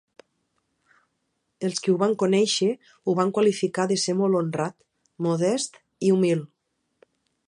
Els qui ho van conèixer ho van qualificar de ser molt honrat, modest i humil.